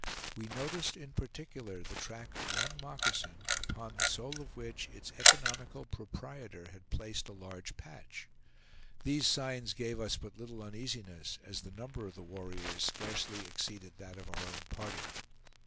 We noticed in particular the track of one moccasin, upon the sole of which its economical proprietor had placed a large patch. These signs gave us but little uneasiness, as the number of the warriors scarcely exceeded that of our own party.